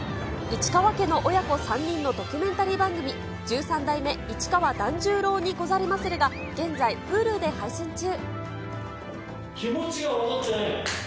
市川家の親子３人のドキュメンタリー番組、十三代目市川團十郎に、ござりまする。が現在、Ｈｕｌｕで配信中。